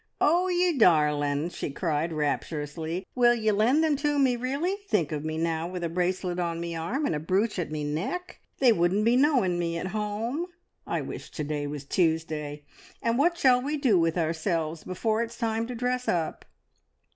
"Oh, ye darlin'!" she cried rapturously. "Will ye lend them to me, really? Think of me now with a bracelet on me arm, and a brooch at me neck! They wouldn't be knowing me at home. I wish to day was Tuesday; and what shall we do with ourselves all the hours before it's time to dress up?"